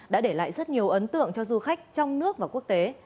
đã để lại rất nhiều ấn tượng cho du khách trong nước và quốc tế